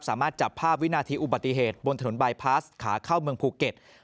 สามารถจับภาพวินาทีอุบัติเหตุบนถนนบายพลาสขาเข้าเมืองภูเก็ต